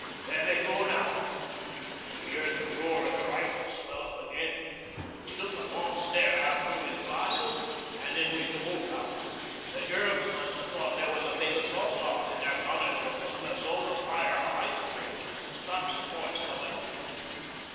There they go now," and we heard the roar of the rifles swell up again. He took a long stare out through his glasses and then we doubled out. The Germs must have thought there was a big assault on, and their gunners were putting a zone of fire behind the trenches to stop supports coming up.